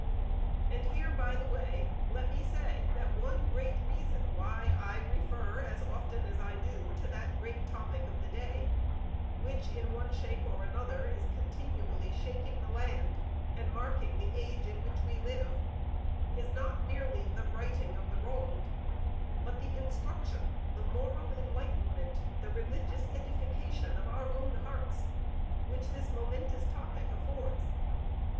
And here, by the way, let me say that one great reason why I refer as often as I do, to that great topic of the day, which, in one shape or another, is continually shaking the land and marking the age in which we live, is not merely the righting of the wronged, but the instruction, the moral enlightenment, the religious edification of our own hearts, which this momentous topic affords.